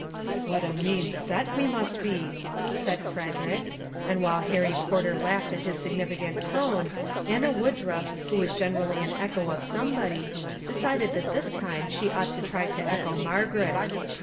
" What a mean set we must be !" said Fred erick; and while Harry Porter laughed at his significant tone, Anna Woodruff, who was gen erally an echo of somebody, decided that this time she ought to try to echo Margaret.